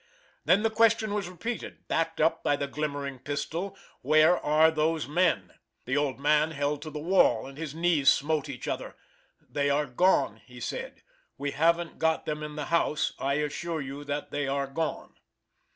Then the question was repeated, backed up by the glimmering pistol, "where are those men?" The old man held to the wall, and his knees smote each other. "They are gone," he said. "We hav'n't got them in the house, I assure you that they are gone."